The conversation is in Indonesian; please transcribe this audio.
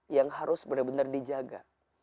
yang harus benar benar dijaga